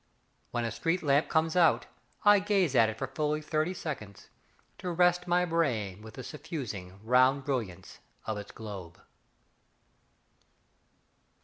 When a street lamp comes out, I gaze at it for fully thirty seconds To rest my brain with the suffusing, round brilliance of its globe.